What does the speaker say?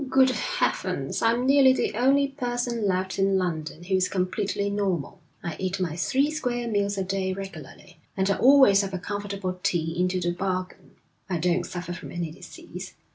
'Good heavens, I'm nearly the only person left in London who is completely normal. I eat my three square meals a day regularly, and I always have a comfortable tea into the bargain. I don't suffer from any disease.